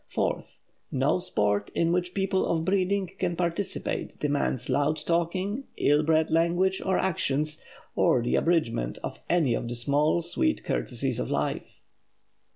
Fourth; no sport in which people of breeding can participate demands loud talking, ill bred language or actions, or the abridgment of any of the small sweet courtesies of life.